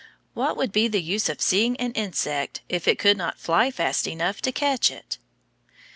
What would be the use of seeing an insect if it could not fly fast enough to catch it?